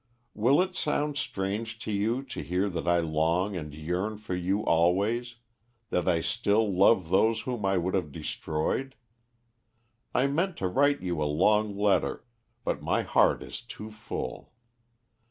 "Will it sound strange to you to hear that I long and yearn for you always; that I still love those whom I would have destroyed? I meant to write you a long letter, but my heart is too full.